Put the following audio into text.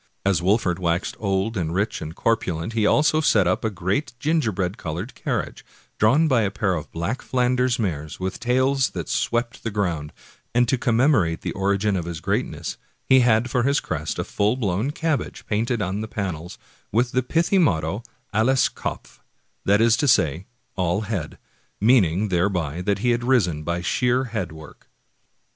As Wolfert waxed old and rich and corpulent he also set up a great gingerbread colored carriage, drawn by a pair of black Flanders mares with tails that swept the ground; and to commemorate the origin of his greatness he had for his crest a full blown cabbage painted on the panels, with the pithy motto, ALLES KOPF, that is to say, all HEAD, meaning thereby that he had risen by sheer head work.